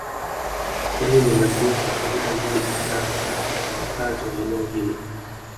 Kwani limekuwa na faida nyingi sana hasa kwa wakazi wa eneo hilo